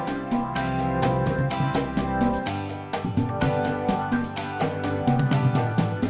aku juga setia